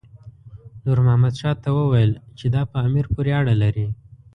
نور محمد شاه ته وویل چې دا په امیر پورې اړه لري.